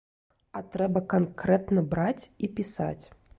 А трэба канкрэтна браць і пісаць.